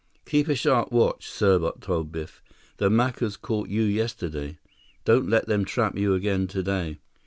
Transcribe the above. "Keep a sharp watch," Serbot told Biff. "The Macus caught you yesterday. Don't let them trap you again today."